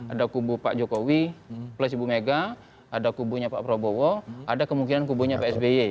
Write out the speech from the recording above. ada kubu pak jokowi plus ibu mega ada kubunya pak prabowo ada kemungkinan kubunya pak sby